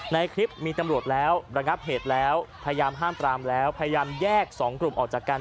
ในคลิปมีตำรวจแล้วระงับเหตุแล้วพยายามห้ามปรามแล้วพยายามแยกสองกลุ่มออกจากกัน